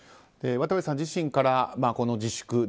渡部さん自身から自粛